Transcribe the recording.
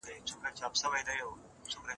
ویل زه مي خپل پاچا یم را لېږلی